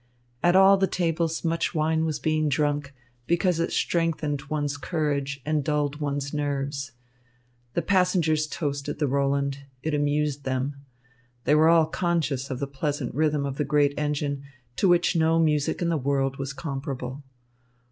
At all the tables much wine was being drunk, because it strengthened one's courage and dulled one's nerves. The passengers toasted the Roland. It amused them. They were all conscious of the pleasant rhythm of the great engine, to which no music in the world was comparable.